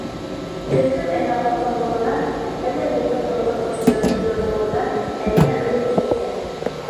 Көндөң әллә һалҡынлығына, әллә юлдың ялҡытҡыс бер төрлө булыуына Әминә ойоп киткән.